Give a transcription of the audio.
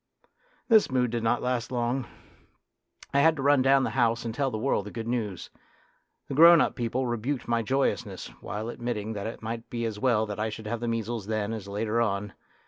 This mood did not last long. I had to run down the house and tell the world the good news. The grown up people rebuked my joyousness, while admitting that it might be as well that I should have the measles then as later on.